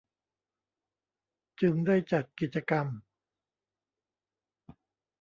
จึงได้จัดกิจกรรม